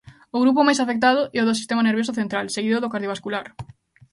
O grupo máis afectado é o do sistema nervioso central, seguido do cardiovascular.